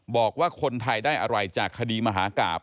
บอกว่าคนไทยได้อะไรจากคดีมหากราบ